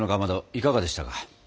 いかがでしたか？